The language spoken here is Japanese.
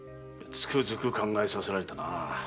つくづく考えさせられたな。